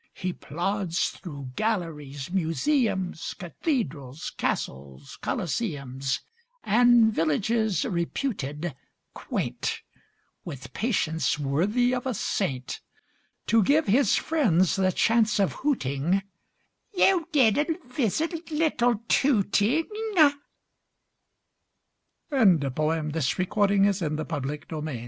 He plods through galleries, museums, Cathedrals, castles, coliseums, And villages reputed quaint With patience worthy of a saint To give his friends the chance of hooting, ōYou didnÆt visit Little Tooting?!!ö This poem is in the public domain.